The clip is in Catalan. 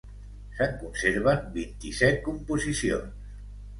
Se'n conserven vint-i-set composicions.